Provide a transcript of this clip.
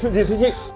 chuyện gì thế chị